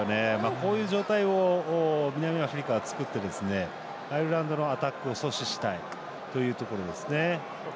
こういう状態を南アフリカは作ってアイルランドのアタックを阻止したいというところですね。